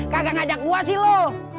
kagak ngajak gua sih lu